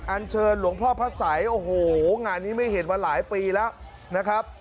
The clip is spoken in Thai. อันเชิญหลวงพ่อพระสัยโอ้โหงานนี้ไม่เห็นมาหลายปีแล้วนะครับ